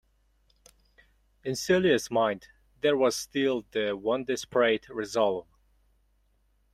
In Celia's mind there was still the one desperate resolve.